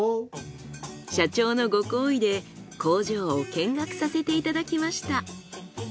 社長のご厚意で工場を見学させていただきました。